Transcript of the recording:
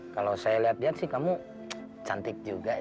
kalau saya lihat lihat sih kamu cantik juga ya